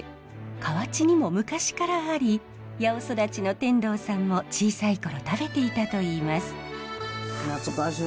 河内にも昔からあり八尾育ちの天童さんも小さい頃食べていたといいます。